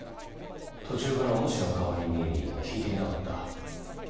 途中からお主の顔に見入り聞いていなかった。